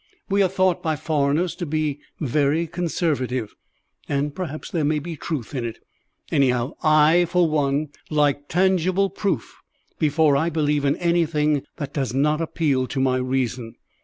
We are thought by foreigners to be very conservative, and perhaps there may be truth in it. Anyhow, I, for one, like tangible proof before I believe in anything that does not appeal to my reason.